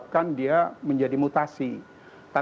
tadikalah dia mengalami mutasi dia akan menjadi mutasi